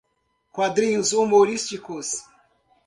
Quadrinhos humorísticos